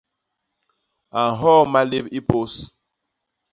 A nhoo malép i pôs.